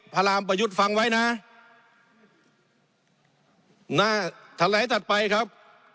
พราหมณ์ประยุทธ์ฟังไว้นะถัดไหลจัดไปครับ